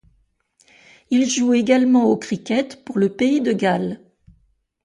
Il joue également au cricket pour le pays de Galles.